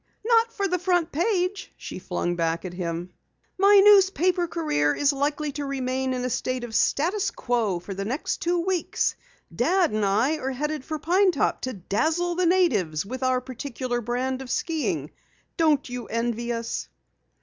"Not for the front page," she flung back at him. "My newspaper career is likely to remain in a state of status quo for the next two weeks. Dad and I are heading for Pine Top to dazzle the natives with our particular brand of skiing. Don't you envy us?"